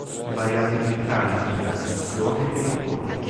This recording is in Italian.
Invariati meccanica, trasmissione e motori.